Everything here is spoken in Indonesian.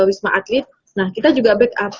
wisma atlet nah kita juga backup